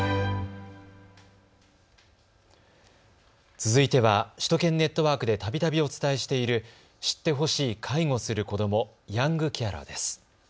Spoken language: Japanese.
続いては首都圏ネットワークでたびたびお伝えしている知ってほしい介護する子どもヤングケアラーです。